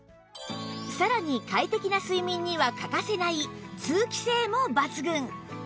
さらに快適な睡眠には欠かせない通気性もバツグン